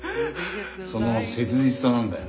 その切実さなんだよ